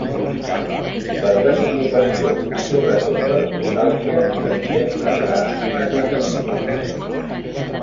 Per desocupació i sobretot per nostàlgia, decideix preparar un atracament.